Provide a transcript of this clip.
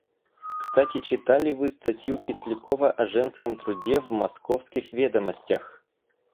Кстати читали вы статью Кислякова о женском труде в "Московских ведомостях"?